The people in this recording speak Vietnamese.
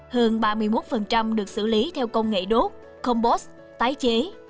hơn ba mươi một được xử lý theo công nghệ đốt combost tái chế